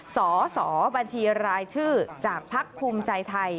สสบัญชีรายชื่อจากภักดิ์ภูมิใจไทย